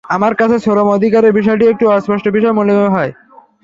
আমার কাছে শ্রম অধিকারের বিষয়টি একটি অস্পষ্ট বিষয় বলে মনে হয়।